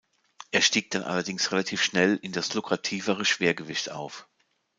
Er stieg dann allerdings relativ schnell in das lukrativere Schwergewicht auf.